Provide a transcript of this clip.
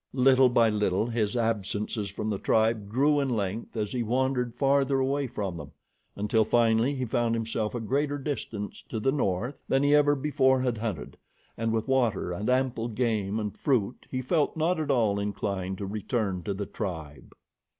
Little by little his absences from the tribe grew in length as he wandered farther away from them, until finally he found himself a greater distance to the north than he ever before had hunted, and with water and ample game and fruit, he felt not at all inclined to return to the tribe.